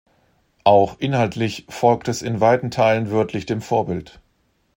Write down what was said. Auch inhaltlich folgt es in weiten Teilen wörtlich dem Vorbild.